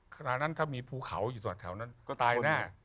ขณะนั้นถ้ามีภูเขาอยู่แถวนั้นก็ตายแน่